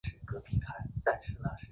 观功念恩是好汉